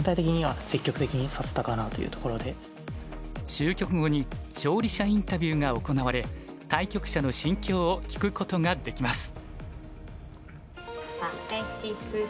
終局後に勝利者インタビューが行われ対局者の心境を聞くことができます。